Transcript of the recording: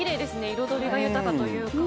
彩りが豊かというか。